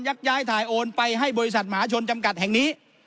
ย้ายถ่ายโอนไปให้บริษัทหมาชนจำกัดแห่งนี้